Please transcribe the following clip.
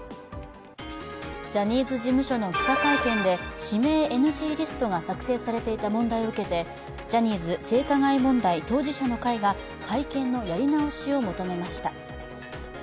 ジャニーズ事務所の記者会見で指名ＮＧリストが作成されていた問題を受けてジャニーズ性加害問題当事者の会が会見のやり直しを求めました。